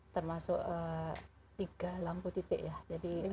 termasuk tiga lampu titik ya